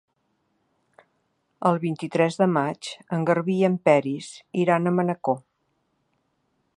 El vint-i-tres de maig en Garbí i en Peris iran a Manacor.